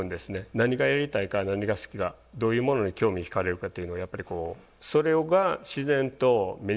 何がやりたいか何が好きかどういうものに興味惹かれるかっていうのをやっぱりこうそれが自然と身につくんで。